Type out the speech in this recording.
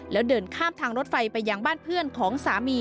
แล้วเดินข้ามทางรถไฟไปยังบ้านเพื่อนของสามี